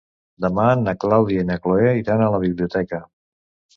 Demà na Clàudia i na Cloè iran a la biblioteca.